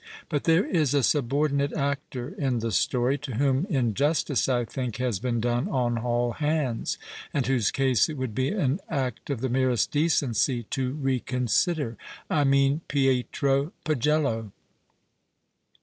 But there is a subordinate actor in the story, to whom injustice, I think, has been done on all hands, and whose ease it would be an act of the merest decency to reconsider. I mean Pietro Pagello.